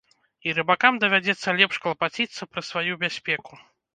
І рыбакам давядзецца лепш клапаціцца пра сваю бяспеку.